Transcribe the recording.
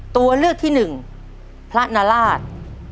ตัวเลือกที่๑พระนาราช